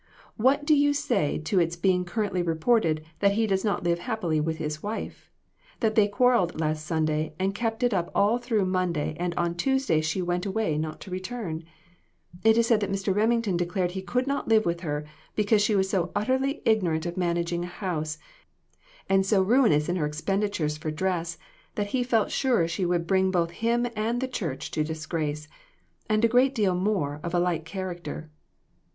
What do you say to its being currently reported that he does not live happily with his wife that they quarreled last Sunday, and kept it up all through Monday, and on Tuesday she went away, not to return ? It is said that Mr. Remington declared he could not live with her, because she was so utterly ignorant of managing a house, and so ruinous in her expenditures for dress that he felt sure she would bring both him and the church to disgrace, and a great deal more of a like character."